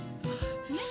ねっ。